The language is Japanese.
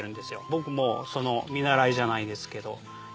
僕もその見習いじゃないですけど。